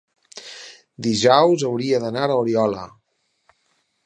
Dijous hauria d'anar a Oriola.